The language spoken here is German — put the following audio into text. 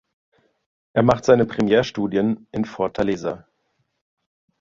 Er macht seine Primärstudien in Fortaleza.